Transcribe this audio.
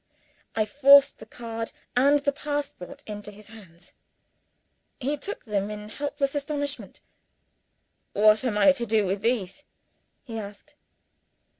I forced the card and the passport into his hands. He took them in helpless astonishment. "What am I to do with these?" he asked.